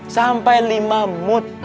sampai lima mut